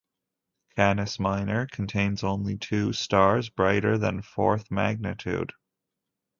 Canis Minor contains only two stars brighter than fourth magnitude.